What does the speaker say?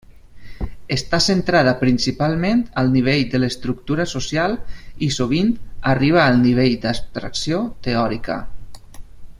Està centrada principalment al nivell de l'estructura social i, sovint, arriba al nivell d'abstracció teòrica.